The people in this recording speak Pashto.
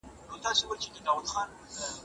د ژوندون پر اوږو بار یم که مي ژوند پر اوږو بار دی